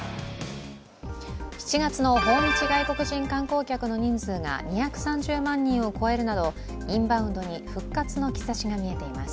７月の訪日外国人観光客の人数が２３０万人を超えるなどインバウンドに復活の兆しが見えています。